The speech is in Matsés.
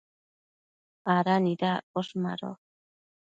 ¿ada nidaccosh? Mado